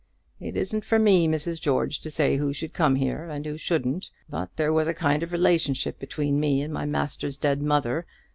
It isn't for me, Mrs. George, to say who should come here, and who shouldn't; but there was a kind of relationship between me and my master's dead mother.